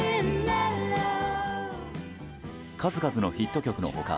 数々のヒット曲の他